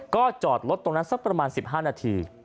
ก็จอดรถตรงนั้นสักประมาณ๑๕นาที